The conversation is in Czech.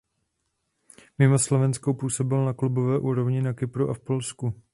Mimo Slovensko působil na klubové úrovni na Kypru a v Polsku.